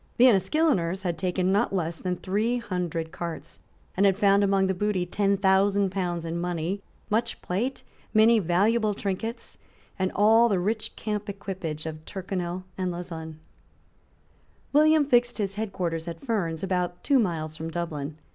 The Enniskilleners had taken not less than three hundred cars, and had found among the booty ten thousand pounds in money, much plate, many valuable trinkets, and all the rich camp equipage of Tyrconnel and Lauzun, William fixed his head quarters at Ferns, about two miles from Dublin.